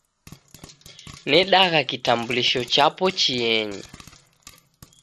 Nedagha kitambulisho chapo chienyi